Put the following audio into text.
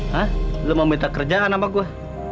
hah lo mau minta kerjaan sama gue